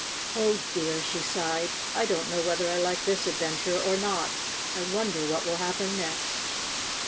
" Oh, dear !?' she sighed. 6 ' I don 't know whether I like this adventure or not! I wonder what will happen next!"